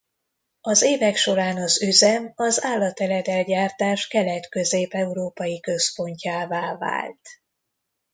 Az évek során az üzem az állateledel-gyártás kelet-közép-európai központjává vált.